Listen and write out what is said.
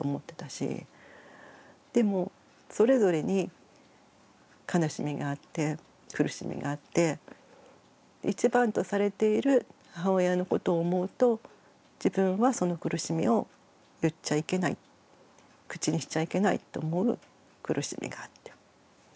でもそれぞれに悲しみがあって苦しみがあって一番とされている母親のことを思うと自分はその苦しみを言っちゃいけない口にしちゃいけないと思う苦しみがあった。